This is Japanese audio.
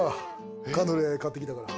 カヌレ買ってきたから。